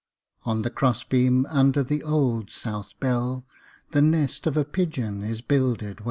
On the cross beam under the Old South bell The nest of a pigeon is builded well.